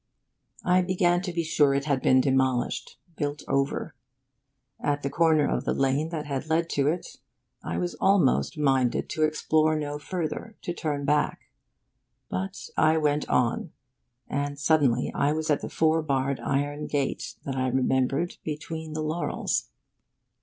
I began to be sure it had been demolished, built over. At the corner of the lane that had led to it, I was almost minded to explore no further, to turn back. But I went on, and suddenly I was at the four barred iron gate, that I remembered, between the laurels.